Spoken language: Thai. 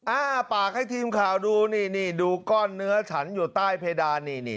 อ้าปากให้ทีมข่าวดูนี่นี่ดูก้อนเนื้อฉันอยู่ใต้เพดานนี่นี่